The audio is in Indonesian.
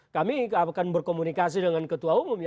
kami akan berkomunikasi dengan ketua umum ya